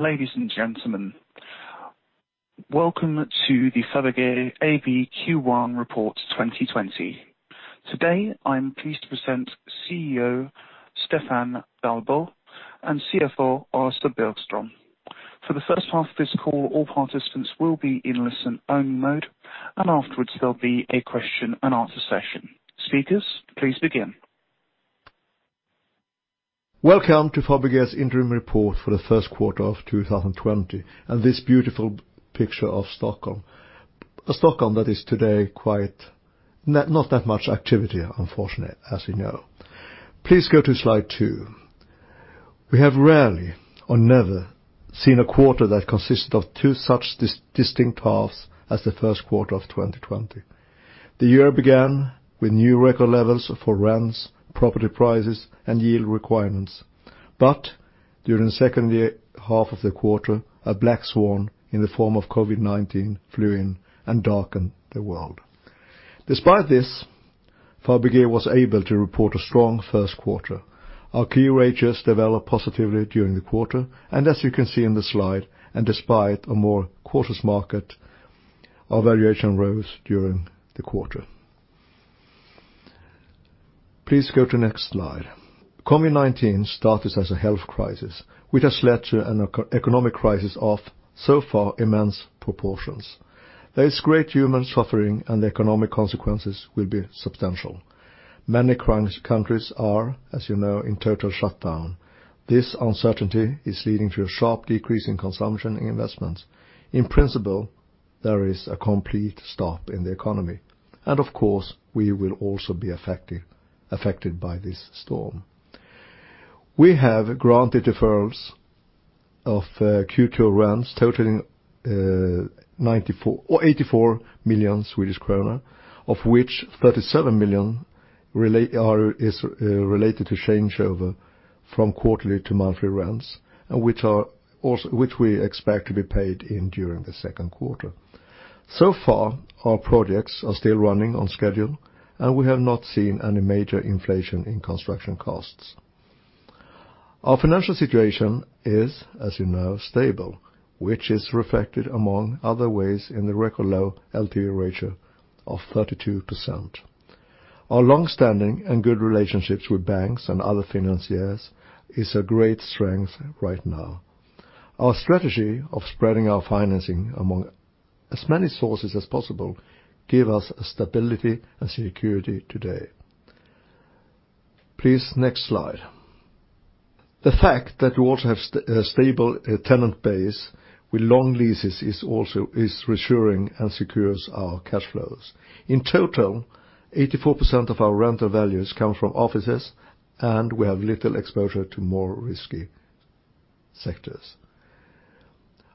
Ladies and gentlemen, welcome to the Fabege AB Q1 Report 2020. Today, I'm pleased to present CEO Stefan Dahlbo and CFO Åsa Bergström. For the first half of this call, all participants will be in listen-only mode, and afterwards, there'll be a question-and-answer session. Speakers, please begin. Welcome to Fabege's interim report for the first quarter of 2020 and this beautiful picture of Stockholm, a Stockholm that is today not quite that much activity, unfortunately, as you know. Please go to slide two. We have rarely or never seen a quarter that consisted of two such distinct halves as the first quarter of 2020. The year began with new record levels for rents, property prices, and yield requirements, but during the second half of the quarter, a black swan in the form of COVID-19 flew in and darkened the world. Despite this, Fabege was able to report a strong first quarter. Our key ratios developed positively during the quarter, and as you can see in the slide, and despite a more cautious market, our valuation rose during the quarter. Please go to the next slide. COVID-19 started as a health crisis, which has led to an economic crisis of so far immense proportions. There is great human suffering, and the economic consequences will be substantial. Many countries are, as you know, in total shutdown. This uncertainty is leading to a sharp decrease in consumption and investment. In principle, there is a complete stop in the economy, and of course, we will also be affected by this storm. We have granted deferrals of Q2 rents totaling 84 million Swedish krona, of which 37 million is related to changeover from quarterly to monthly rents, which we expect to be paid in during the second quarter, so far, our projects are still running on schedule, and we have not seen any major inflation in construction costs. Our financial situation is, as you know, stable, which is reflected among other ways in the record low LTV ratio of 32%. Our long-standing and good relationships with banks and other financiers are a great strength right now. Our strategy of spreading our financing among as many sources as possible gives us stability and security today. Please, next slide. The fact that we also have a stable tenant base with long leases is reassuring and secures our cash flows. In total, 84% of our rental values come from offices, and we have little exposure to more risky sectors.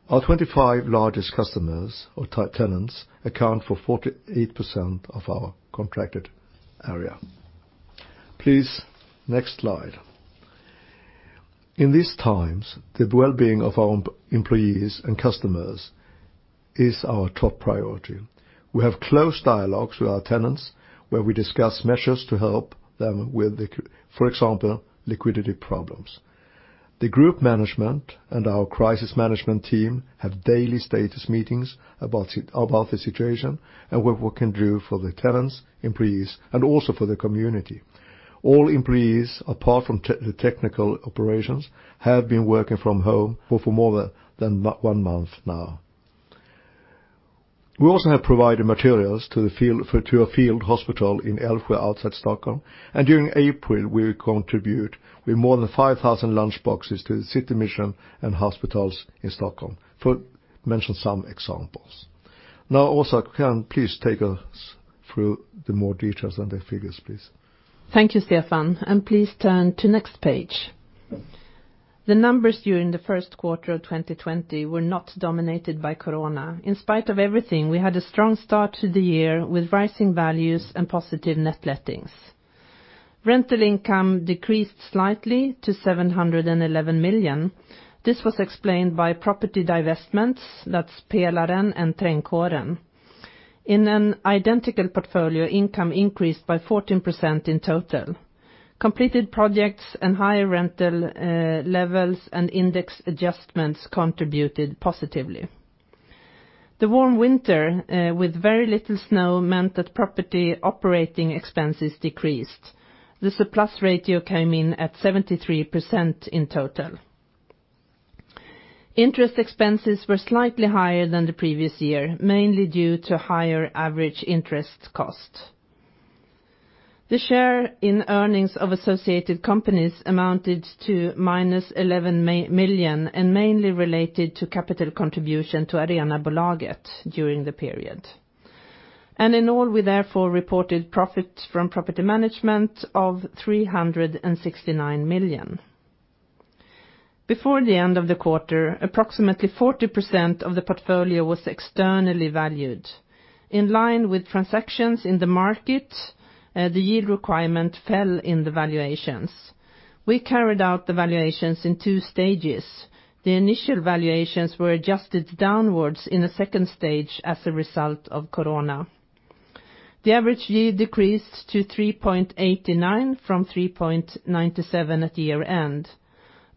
Our 25 largest customers or tenants account for 48% of our contracted area. Please, next slide. In these times, the well-being of our employees and customers is our top priority. We have close dialogues with our tenants where we discuss measures to help them with, for example, liquidity problems. The group management and our crisis management team have daily status meetings about the situation and what we can do for the tenants, employees, and also for the community. All employees, apart from the technical operations, have been working from home for more than one month now. We also have provided materials to a field hospital outside Stockholm. During April, we contributed with more than 5,000 lunchboxes to the City Mission and hospitals in Stockholm, to mention some examples. Now, Åsa, can you please take us through the more details and the figures, please? Thank you, Stefan. And please turn to the next page. The numbers during the first quarter of 2020 were not dominated by Corona. In spite of everything, we had a strong start to the year with rising values and positive net lettings. Rental income decreased slightly to 711 million. This was explained by property divestments, that's Pelaren and Trädgården. In an identical portfolio, income increased by 14% in total. Completed projects and higher rental levels and index adjustments contributed positively. The warm winter with very little snow meant that property operating expenses decreased. The surplus ratio came in at 73% in total. Interest expenses were slightly higher than the previous year, mainly due to higher average interest cost. The share in earnings of associated companies amounted to minus 11 million and mainly related to capital contribution to Arenabolaget during the period. And in all, we therefore reported profit from property management of 369 million. Before the end of the quarter, approximately 40% of the portfolio was externally valued. In line with transactions in the market, the yield requirement fell in the valuations. We carried out the valuations in two stages. The initial valuations were adjusted downwards in a second stage as a result of Corona. The average yield decreased to 3.89 from 3.97 at year-end.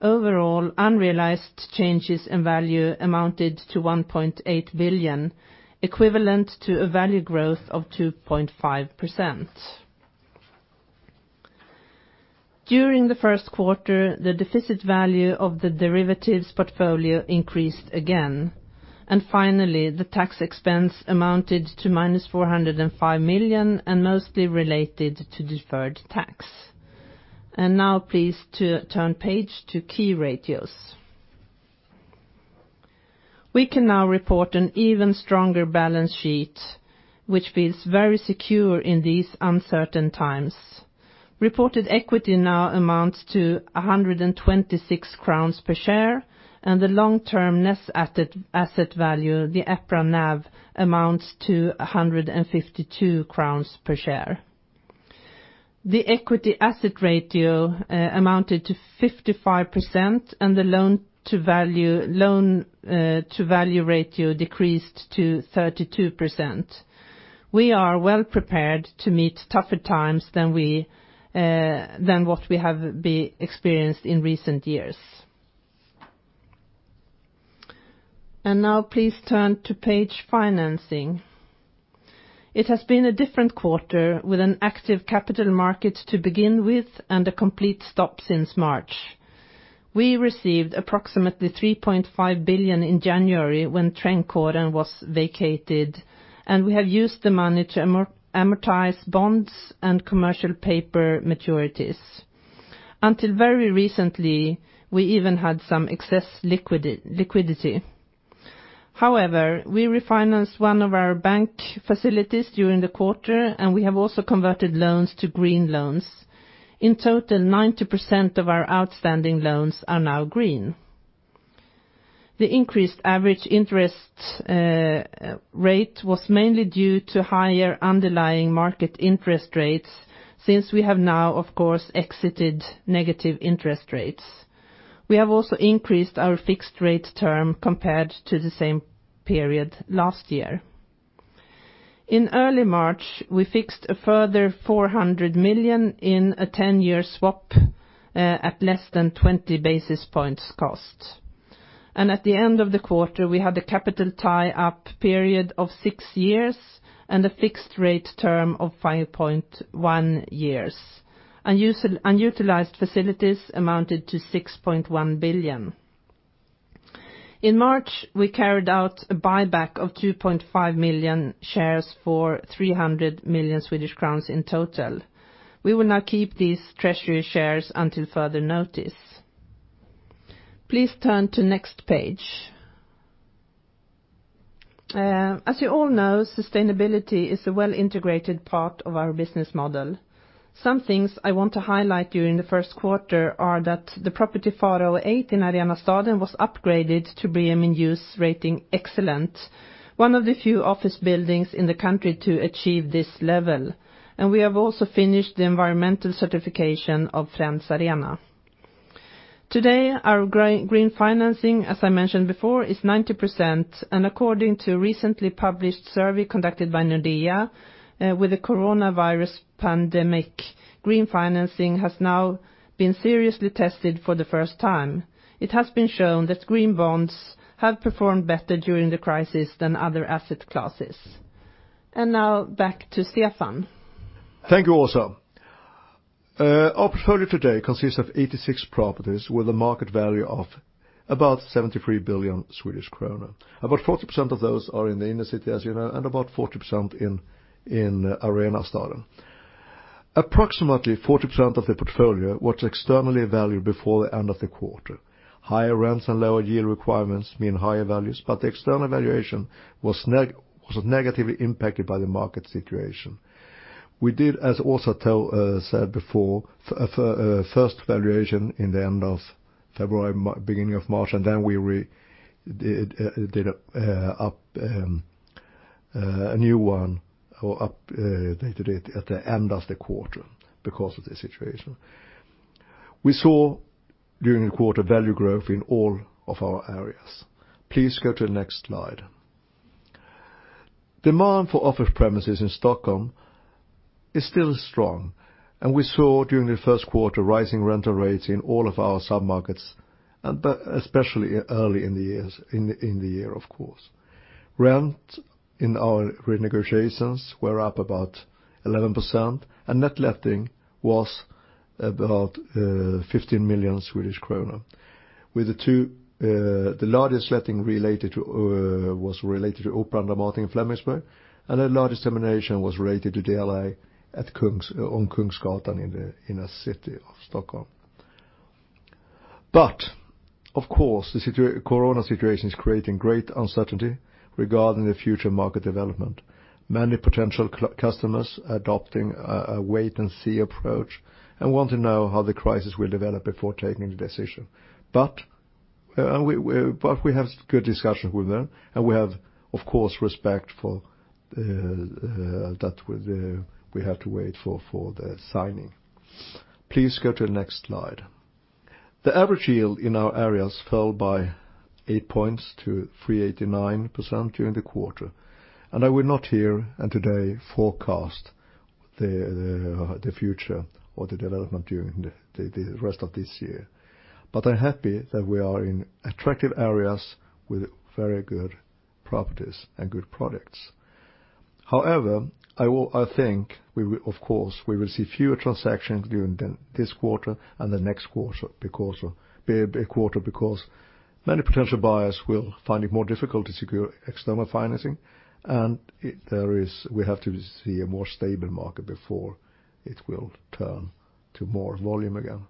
Overall, unrealized changes in value amounted to 1.8 billion, equivalent to a value growth of 2.5%. During the first quarter, the deficit value of the derivatives portfolio increased again. And finally, the tax expense amounted to minus 405 million and mostly related to deferred tax. And now, please turn page to key ratios. We can now report an even stronger balance sheet, which feels very secure in these uncertain times. Reported equity now amounts to 126 crowns per share, and the long-term net asset value, the EPRA NAV, amounts to 152 crowns per share. The equity-asset ratio amounted to 55%, and the loan-to-value ratio decreased to 32%. We are well prepared to meet tougher times than what we have experienced in recent years. Now, please turn to page financing. It has been a different quarter with an active capital market to begin with and a complete stop since March. We received approximately 3.5 billion in January when Trädgården was vacated, and we have used the money to amortize bonds and commercial paper maturities. Until very recently, we even had some excess liquidity. However, we refinanced one of our bank facilities during the quarter, and we have also converted loans to green loans. In total, 90% of our outstanding loans are now green. The increased average interest rate was mainly due to higher underlying market interest rates since we have now, of course, exited negative interest rates. We have also increased our fixed rate term compared to the same period last year. In early March, we fixed a further 400 million in a 10-year swap at less than 20 basis points cost. And at the end of the quarter, we had a capital tie-up period of six years and a fixed rate term of 5.1 years. Unutilized facilities amounted to 6.1 billion. In March, we carried out a buyback of 2.5 million shares for 300 million Swedish crowns in total. We will now keep these treasury shares until further notice. Please turn to the next page. As you all know, sustainability is a well-integrated part of our business model. Some things I want to highlight during the first quarter are that the property 408 in Arenastaden was upgraded to BREEAM In-Use rating Excellent, one of the few office buildings in the country to achieve this level, and we have also finished the environmental certification of Friends Arena. Today, our green financing, as I mentioned before, is 90%, and according to a recently published survey conducted by Nordea, with the Coronavirus pandemic, green financing has now been seriously tested for the first time. It has been shown that green bonds have performed better during the crisis than other asset classes, and now, back to Stefan. Thank you, Åsa. Our portfolio today consists of 86 properties with a market value of about 73 billion Swedish kronor. About 40% of those are in the inner city, as you know, and about 40% in Arenastaden. Approximately 40% of the portfolio was externally valued before the end of the quarter. Higher rents and lower yield requirements mean higher values, but the external valuation was negatively impacted by the market situation. We did, as Åsa said before, first valuation in the end of February, beginning of March, and then we did a new one at the end of the quarter because of the situation. We saw, during the quarter, value growth in all of our areas. Please go to the next slide. Demand for office premises in Stockholm is still strong, and we saw, during the first quarter, rising rental rates in all of our submarkets, especially early in the year, of course. Rent in our renegotiations were up about 11%, and net letting was about 15 million Swedish kronor. The largest letting was related to Operan Dramaten in Flemingsberg, and the largest termination was related to DLA on Kungsgatan in the inner city of Stockholm. But, of course, the Corona situation is creating great uncertainty regarding the future market development. Many potential customers are adopting a wait-and-see approach and want to know how the crisis will develop before taking the decision. But we have good discussions with them, and we have, of course, respect for that we have to wait for the signing. Please go to the next slide. The average yield in our areas fell by 8 points to 3.89% during the quarter. And I will not here, and today, forecast the future or the development during the rest of this year. But I'm happy that we are in attractive areas with very good properties and good products. However, I think, of course, we will see fewer transactions during this quarter and the next quarter because many potential buyers will find it more difficult to secure external financing, and we have to see a more stable market before it will turn to more volume again.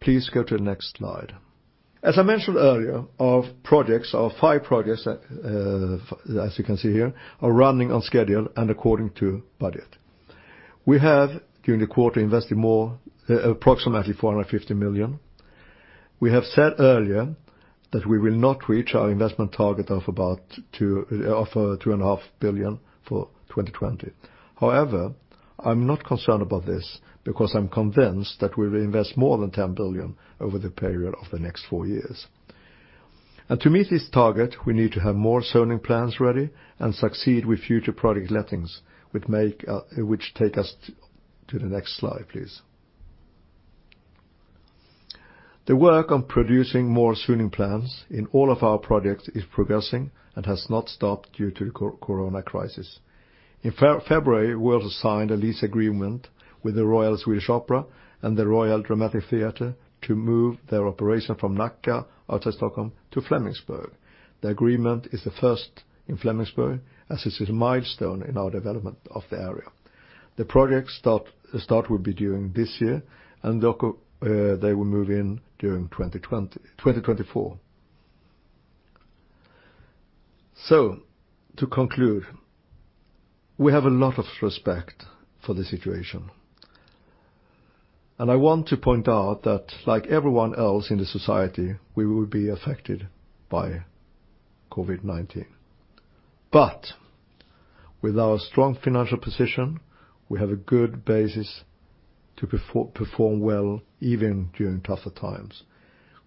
Please go to the next slide. As I mentioned earlier, our projects, our five projects, as you can see here, are running on schedule and according to budget. We have, during the quarter, invested approximately 450 million. We have said earlier that we will not reach our investment target of about 2.5 billion for 2020. However, I'm not concerned about this because I'm convinced that we will invest more than 10 billion over the period of the next four years. And to meet this target, we need to have more zoning plans ready and succeed with future project lettings, which take us to the next slide, please. The work on producing more zoning plans in all of our projects is progressing and has not stopped due to the Corona crisis. In February, we also signed a lease agreement with the Royal Swedish Opera and the Royal Dramatic Theatre to move their operation from Nacka outside Stockholm to Flemingsberg. The agreement is the first in Flemingsberg, as it is a milestone in our development of the area. The project start will be during this year, and they will move in during 2024, so to conclude, we have a lot of respect for the situation, and I want to point out that, like everyone else in the society, we will be affected by COVID-19, but with our strong financial position, we have a good basis to perform well even during tougher times.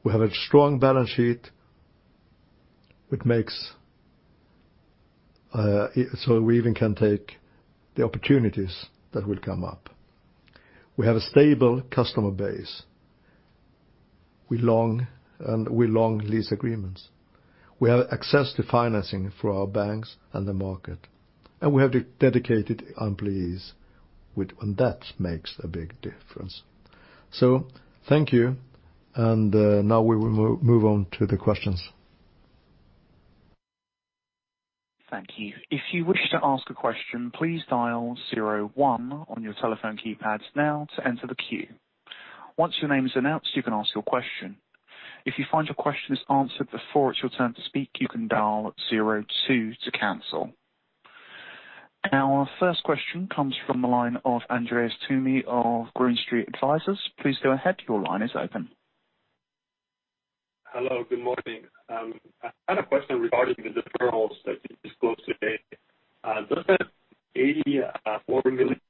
We have a strong balance sheet, which makes so we even can take the opportunities that will come up. We have a stable customer base. We have long lease agreements. We have access to financing for our banks and the market, and we have dedicated employees, and that makes a big difference, so thank you, and now we will move on to the questions. Thank you. If you wish to ask a question, please dial zero one on your telephone keypads now to enter the queue. Once your name is announced, you can ask your question. If you find your question is answered before it's your turn to speak, you can dial zero two to cancel. Our first question comes from the line of Andres Toome of Green Street Advisors. Please go ahead. Your line is open. Hello. Good morning. I had a question regarding the deferrals that you disclosed today. Does that SEK 84 million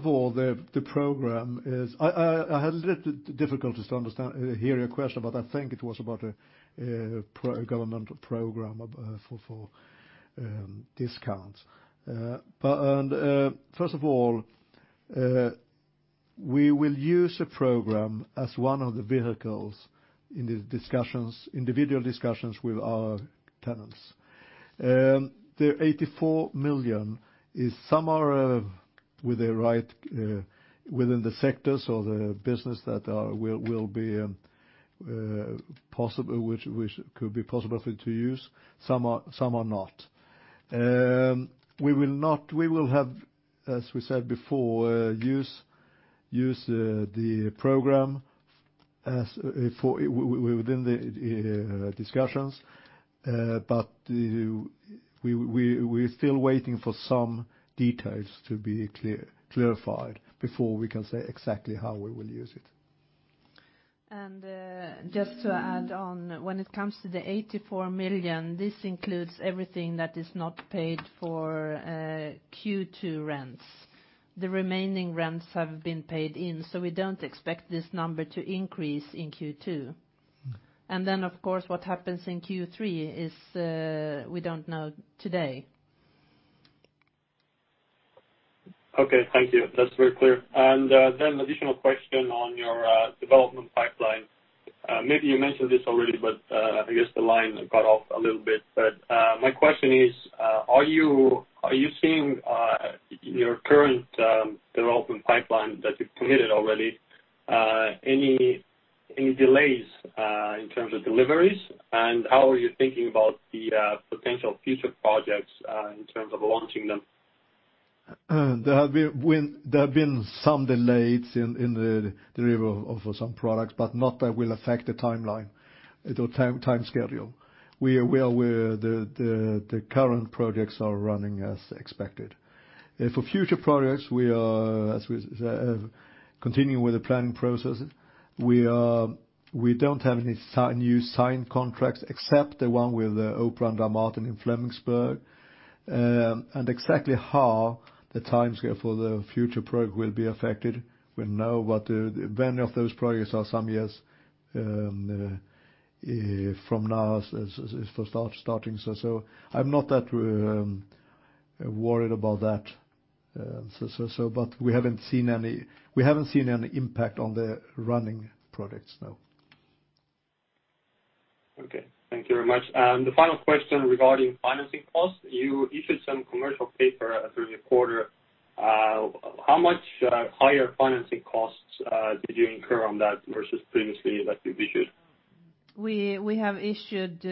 include all tenants that could be eligible for the proposed government proposal, or would you expect some additional tenants to come forward once the program is being implemented? First of all, I had a little difficulty to hear your question, but I think it was about a government program for discounts, and first of all, we will use the program as one of the vehicles in the discussions, individual discussions with our tenants. The 84 million is somewhere within the sectors or the business that will be possible, which could be possible to use. Some are not. We will, as we said before, use the program within the discussions, but we are still waiting for some details to be clarified before we can say exactly how we will use it. And just to add on, when it comes to 84 million, this includes everything that is not paid for Q2 rents. The remaining rents have been paid in, so we don't expect this number to increase in Q2. And then, of course, what happens in Q3 is we don't know today. Okay. Thank you. That's very clear. And then an additional question on your development pipeline. Maybe you mentioned this already, but I guess the line got off a little bit. But my question is, are you seeing in your current development pipeline that you've committed already any delays in terms of deliveries, and how are you thinking about the potential future projects in terms of launching them? There have been some delays in the delivery of some products, but not that will affect the timeline or time schedule. The current projects are running as expected. For future projects, we are continuing with the planning process. We don't have any new signed contracts except the one with Operan Dramaten in Flemingsberg. And exactly how the timescale for the future project will be affected, we'll know what the venue of those projects are some years from now starting. So I'm not that worried about that. But we haven't seen any impact on the running projects, no. Okay. Thank you very much. And the final question regarding financing costs. You issued some commercial paper through the quarter. How much higher financing costs did you incur on that versus previously that you issued? We have issued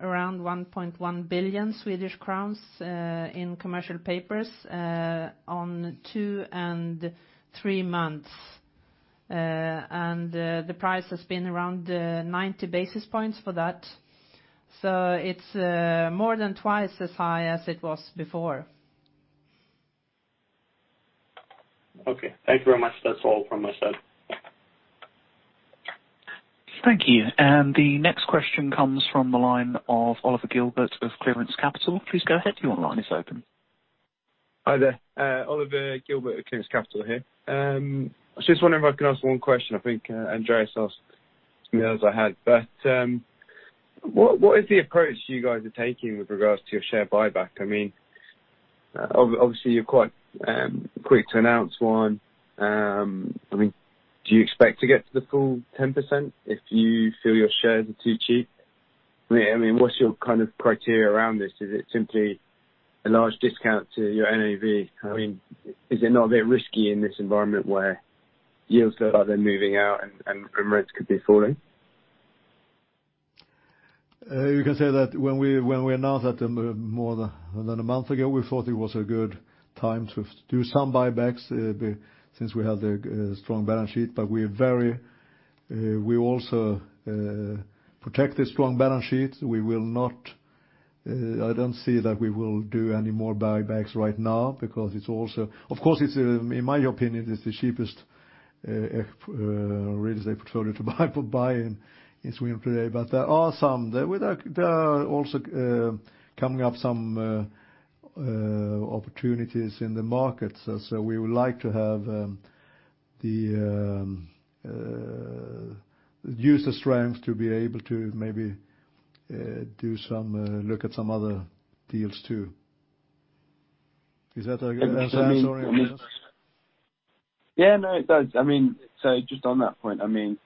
around 1.1 billion Swedish crowns in commercial papers on two and three months. And the price has been around 90 basis points for that. So it's more than twice as high as it was before. Okay. Thank you very much. That's all from my side. Thank you. And the next question comes from the line of Oliver Gilbert of Clearance Capital. Please go ahead. Your line is open. Hi there. Oliver Gilbert of Clearance Capital here. I was just wondering if I could ask one question. I think Andres asked me as I had. But what is the approach you guys are taking with regards to your share buyback? I mean, obviously, you're quite quick to announce one. I mean, do you expect to get to the full 10% if you feel your shares are too cheap? I mean, what's your kind of criteria around this? Is it simply a large discount to your NAV? I mean, is it not a bit risky in this environment where yields are moving out and rents could be falling? You can say that when we announced that more than a month ago, we thought it was a good time to do some buybacks since we had a strong balance sheet. But we also protect the strong balance sheet. We will not. I don't see that we will do any more buybacks right now because it's also. Of course, in my opinion, it's the cheapest real estate portfolio to buy in Sweden today. But there are also coming up some opportunities in the market. So we would like to have the use of strength to be able to maybe look at some other deals too. Is that Yeah. No, it does. I mean, so just on that point, I mean,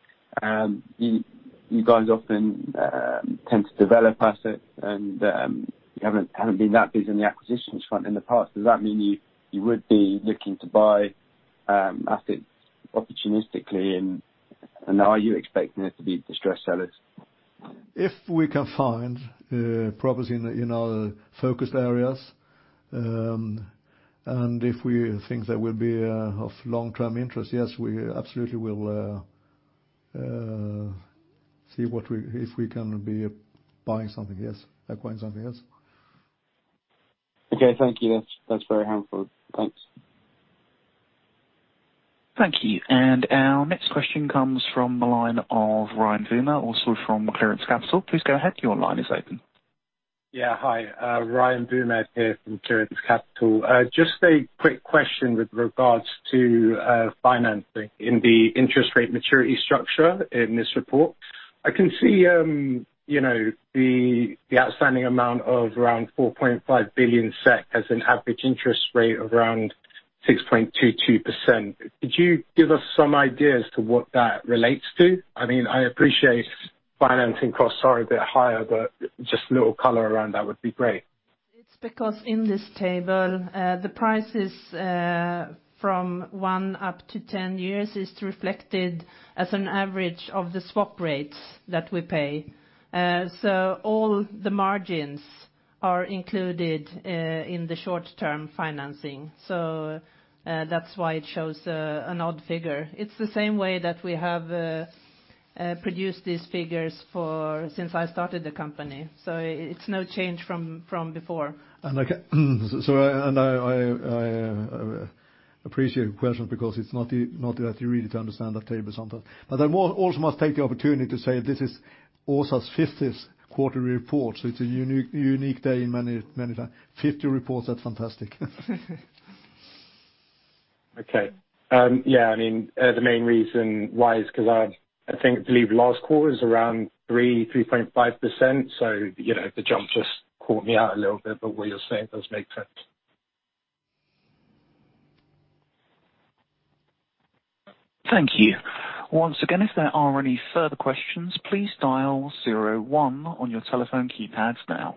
you guys often tend to develop assets, and you haven't been that busy on the acquisitions front in the past. Does that mean you would be looking to buy assets opportunistically, and are you expecting it to be distressed sellers? If we can find properties in our focused areas, and if we think that will be of long-term interest, yes, we absolutely will see if we can be buying something else, acquiring something else. Okay. Thank you. That's very helpful. Thanks. Thank you. And our next question comes from the line of Rayan Boumara, also from Clearance Capital. Please go ahead. Your line is open. Yeah. Hi. Rayan Boumara here from Clearance Capital. Just a quick question with regards to financing in the interest rate maturity structure in this report. I can see the outstanding amount of around 4.5 billion SEK has an average interest rate of around 6.22%. Could you give us some idea as to what that relates to? I mean, I appreciate financing costs are a bit higher, but just a little color around that would be great. It's because in this table, the prices from one up to 10 years are reflected as an average of the swap rates that we pay. So all the margins are included in the short-term financing. So that's why it shows an odd figure. It's the same way that we have produced these figures since I started the company. So it's no change from before. I appreciate your question because it's not that easy to understand that table sometimes. I also must take the opportunity to say this is Åsa's 50th quarter report. It's a unique day in many times. 50 reports, that's fantastic. Okay. Yeah. I mean, the main reason why is because I think I believe last quarter was around 3%-3.5%. So the jump just caught me out a little bit, but what you're saying does make sense. Thank you. Once again, if there are any further questions, please dial zero one on your telephone keypads now.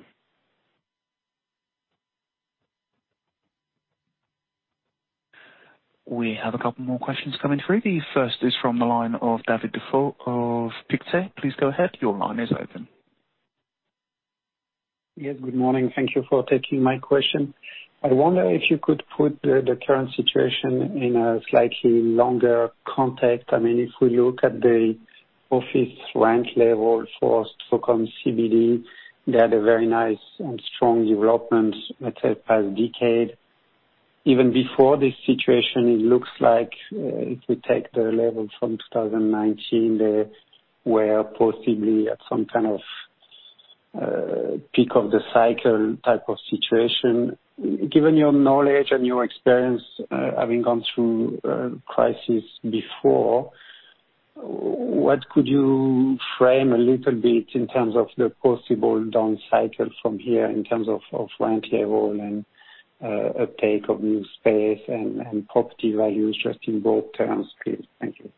We have a couple more questions coming through. The first is from the line of David Dafoe of Pictet. Please go ahead. Your line is open. Yes. Good morning. Thank you for taking my question. I wonder if you could put the current situation in a slightly longer context. I mean, if we look at the office rent level for Stockholm CBD, they had a very nice and strong development, let's say, past decade. Even before this situation, it looks like if we take the level from 2019, they were possibly at some kind of peak of the cycle type of situation. Given your knowledge and your experience having gone through crises before, what could you frame a little bit in terms of the possible down cycle from here in terms of rent level and uptake of new space and property values just in both terms? Please, thank you.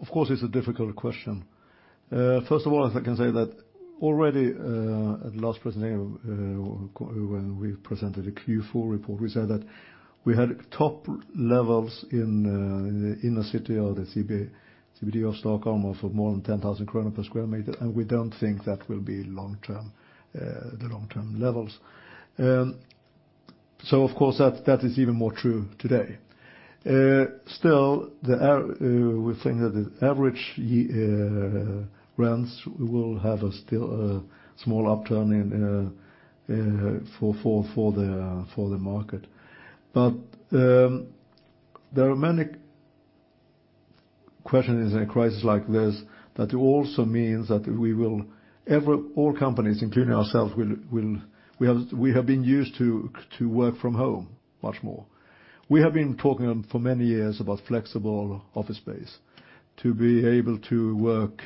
Of course, it's a difficult question. First of all, I can say that already at the last presentation, when we presented the Q4 report, we said that we had top levels in the inner city of the CBD of Stockholm of more than 10,000 kronor per square meter. And we don't think that will be the long-term levels. So, of course, that is even more true today. Still, we think that the average rents will have a small upturn for the market. But there are many questions in a crisis like this that also means that all companies, including ourselves, we have been used to work from home much more. We have been talking for many years about flexible office space, to be able to work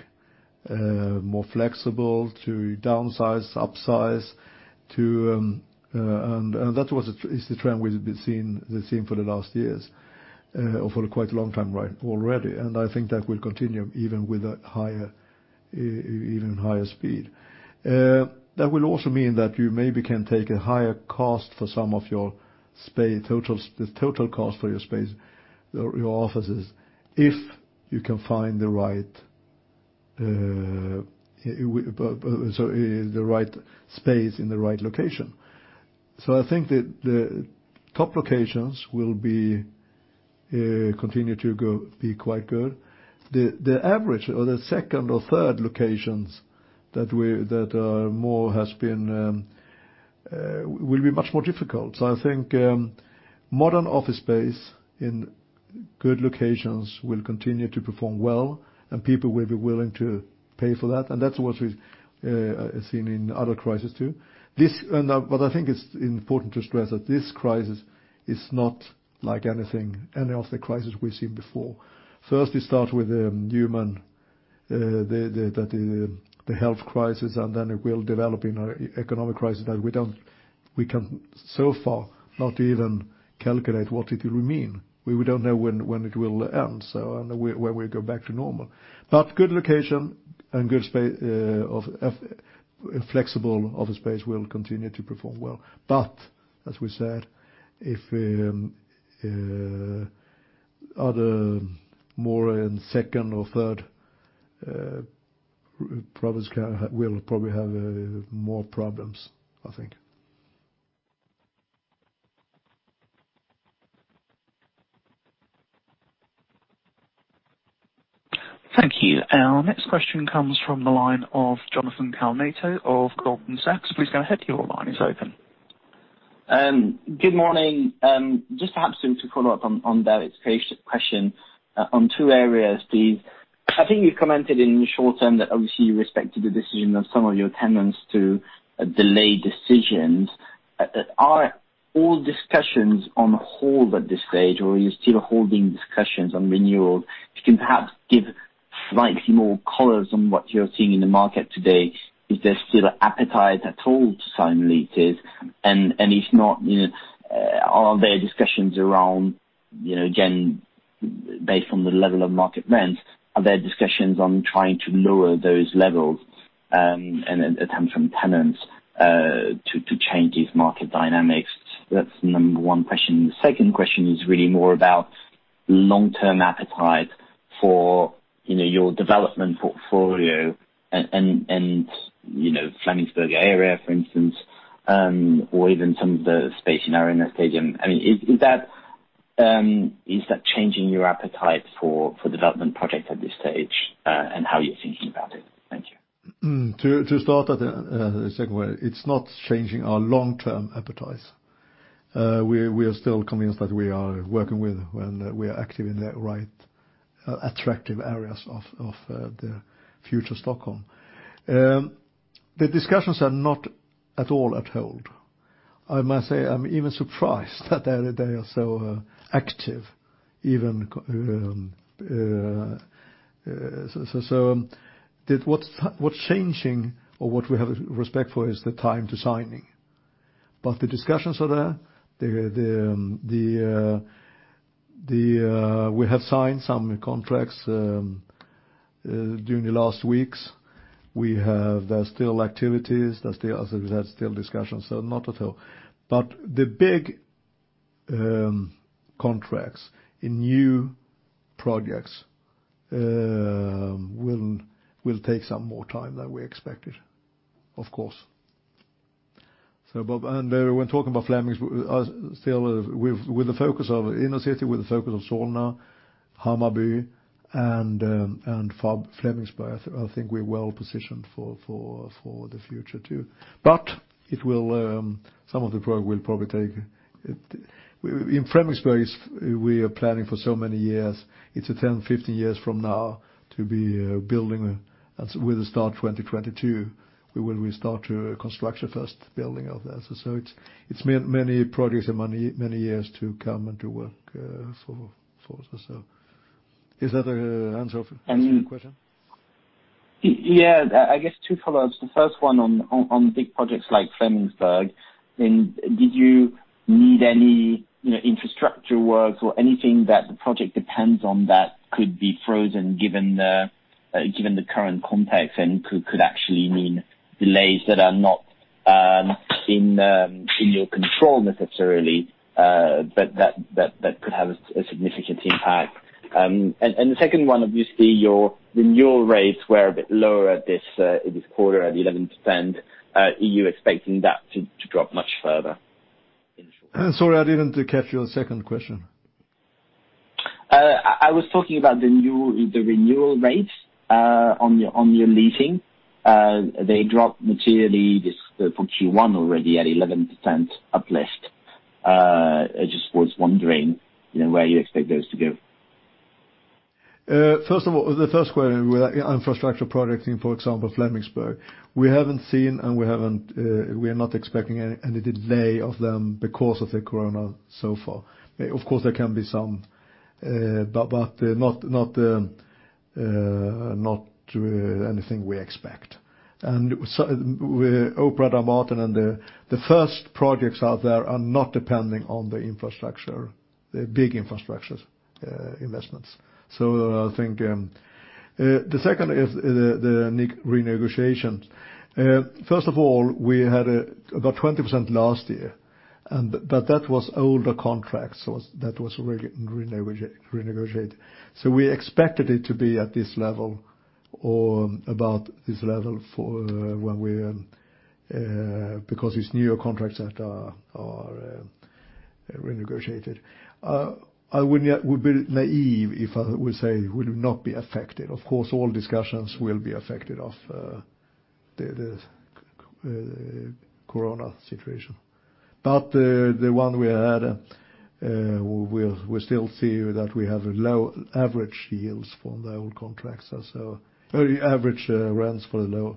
more flexible, to downsize, upsize. And that was the trend we've been seeing for the last years or for quite a long time already. I think that will continue even with higher speed. That will also mean that you maybe can take a higher cost for some of your space, the total cost for your space, your offices, if you can find the right space in the right location. I think the top locations will continue to be quite good. The average or the second or third locations that are more has-been will be much more difficult. I think modern office space in good locations will continue to perform well, and people will be willing to pay for that. That's what we've seen in other crises too. I think it's important to stress that this crisis is not like any of the crises we've seen before. First, it starts with the health crisis, and then it will develop into an economic crisis that we can so far not even calculate what it will mean. We don't know when it will end and when we go back to normal. But good location and good flexible office space will continue to perform well. But, as we said, if other more in second or third tier will probably have more problems, I think. Thank you. Our next question comes from the line of Jonathan Kownator of Goldman Sachs. Please go ahead. Your line is open. Good morning. Just perhaps to follow up on David's question on two areas, Steve. I think you've commented in the short term that obviously you respected the decision of some of your tenants to delay decisions. Are all discussions on hold at this stage, or are you still holding discussions on renewals? If you can perhaps give slightly more colors on what you're seeing in the market today, is there still appetite at all to sign leases? And if not, are there discussions around, again, based on the level of market rents, are there discussions on trying to lower those levels and attempts from tenants to change these market dynamics? That's the number one question. The second question is really more about long-term appetite for your development portfolio and Flemingsberg area, for instance, or even some of the space in Arenastaden. I mean, is that changing your appetite for development projects at this stage and how you're thinking about it? Thank you. To start a second way, it's not changing our long-term appetites. We are still convinced that we are working with and we are active in the right attractive areas of the future Stockholm. The discussions are not at all on hold. I must say I'm even surprised that they are so active. So what's changing or what we have respect for is the time to signing. But the discussions are there. We have signed some contracts during the last weeks. We have still activities. There's still discussions. So not at all. But the big contracts in new projects will take some more time than we expected, of course, and when talking about Flemingsberg, still with the focus of inner city, with the focus of Solna, Hammarby and Flemingsberg, I think we're well positioned for the future too. But some of the projects will probably take in Flemingsberg. We are planning for so many years. It's 10, 15 years from now to be building with the start 2022. We will start construction first building of that. So it's many projects and many years to come and to work for. So is that an answer to your question? Yeah. I guess two follow-ups. The first one on big projects like Flemingsberg, did you need any infrastructure work or anything that the project depends on that could be frozen given the current context and could actually mean delays that are not in your control necessarily, but that could have a significant impact? And the second one, obviously, your renewal rates were a bit lower this quarter at 11%. Are you expecting that to drop much further in the short term? Sorry, I didn't catch your second question. I was talking about the renewal rates on your leasing. They dropped materially for Q1 already at 11% uplift. I just was wondering where you expect those to go? First of all, the first question with infrastructure projects in, for example, Flemingsberg, we haven't seen and we are not expecting any delay of them because of the Corona so far. Of course, there can be some, but not anything we expect. With Operan, Dramaten and the first projects out there are not depending on the infrastructure, the big infrastructure investments. So I think the second is the renegotiation. First of all, we had about 20% last year, but that was older contracts that were renegotiated. So we expected it to be at this level or about this level when, because these newer contracts are renegotiated. I would be naive if I would say we will not be affected. Of course, all discussions will be affected by the Corona situation. But the one we had, we still see that we have low average yields from the old contracts. So average rents for the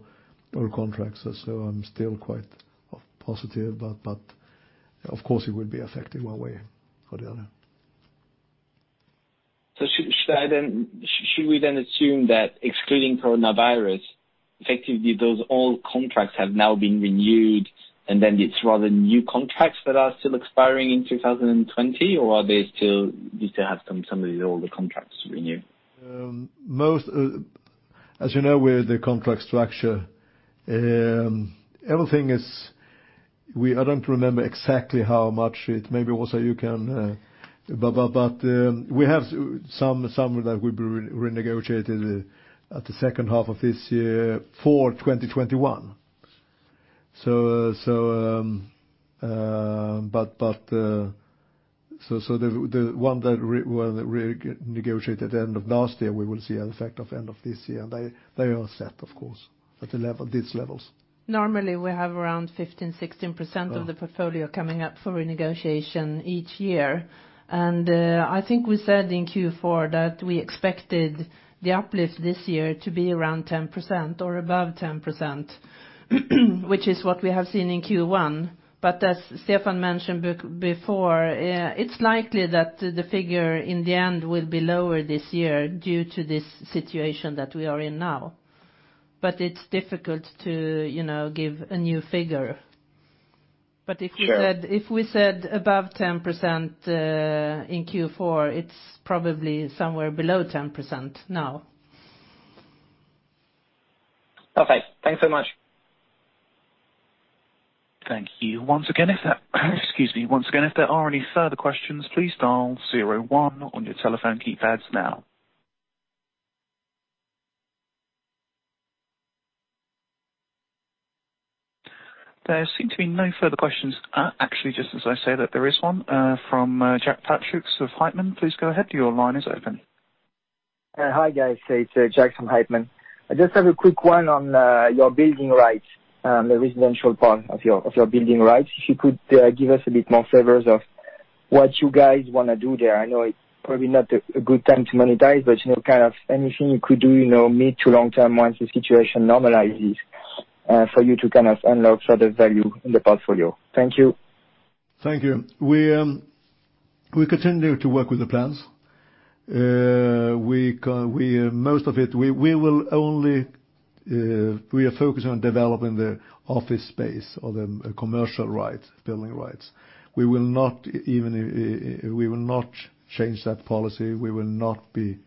old contracts. So I'm still quite positive, but of course, it will be affected one way or the other. Should we then assume that excluding Coronavirus, effectively those old contracts have now been renewed and then it's rather new contracts that are still expiring in 2020, or do you still have some of the older contracts renewed? As you know, with the contract structure, everything is, but we have some that will be renegotiated at the second half of this year for 2021. So the one that we renegotiated at the end of last year, we will see an effect of end of this year. They are set, of course, at these levels. Normally, we have around 15%-16% of the portfolio coming up for renegotiation each year. And I think we said in Q4 that we expected the uplift this year to be around 10% or above 10%, which is what we have seen in Q1. But as Stefan mentioned before, it's likely that the figure in the end will be lower this year due to this situation that we are in now. But it's difficult to give a new figure. But if we said above 10% in Q4, it's probably somewhere below 10% now. Perfect. Thanks so much. Thank you. Once again, if there are any further questions, please dial zero one on your telephone keypads now. There seem to be no further questions. Actually, just as I say that there is one from Jack Patrick of Heitman. Please go ahead. Your line is open. Hi, guys. It's Jack Patrick, Heitman. I just have a quick one on your building rights, the residential part of your building rights. If you could give us a bit more flavors of what you guys want to do there. I know it's probably not a good time to monetize, but kind of anything you could do mid to long term once the situation normalizes for you to kind of unlock further value in the portfolio. Thank you. Thank you. We continue to work with the plans. Most of it, we are focused on developing the office space or the commercial rights, building rights. We will not change that policy. We will not be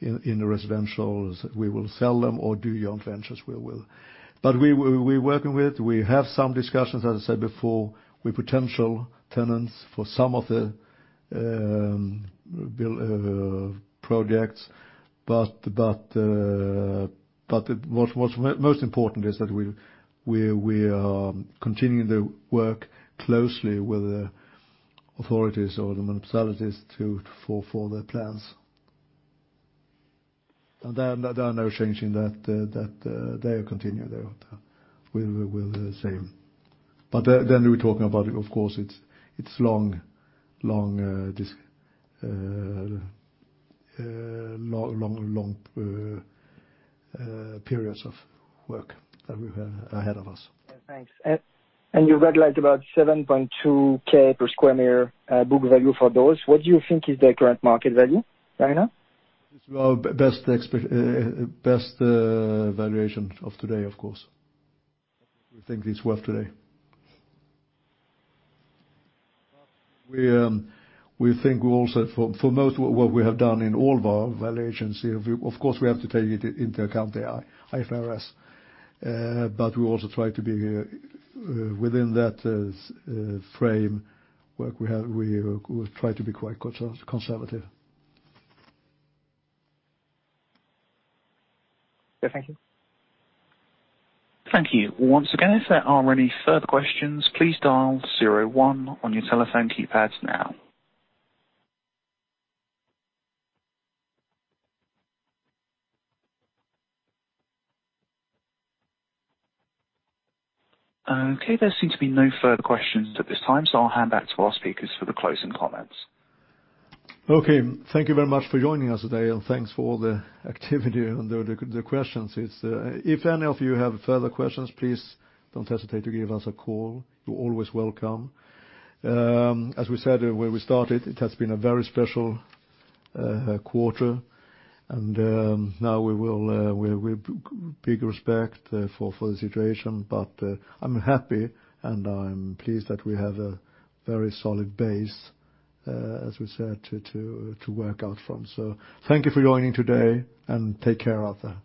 in the residentials. We will sell them or do joint ventures, but we're working with it. We have some discussions, as I said before, with potential tenants for some of the projects, but what's most important is that we are continuing the work closely with the authorities or the municipalities for the plans, and there are no changes in that. They continue with the same, but then we're talking about, of course, it's long periods of work that we have ahead of us. Thanks. And you've read about 7.2K per square meter book value for those. What do you think is the current market value right now? This is our best valuation of today, of course. We think it's worth today. We think also for most of what we have done in all of our valuations, of course, we have to take into account the IFRS. But we also try to be within that frame. We try to be quite conservative. Thank you. Thank you. Once again, if there are any further questions, please dial zero one on your telephone keypads now. Okay. There seems to be no further questions at this time, so I'll hand back to our speakers for the closing comments. Okay. Thank you very much for joining us today, and thanks for the activity and the questions. If any of you have further questions, please don't hesitate to give us a call. You're always welcome. As we said when we started, it has been a very special quarter. And now we will be respectful for the situation, but I'm happy and I'm pleased that we have a very solid base, as we said, to work out from. So thank you for joining today and take care of.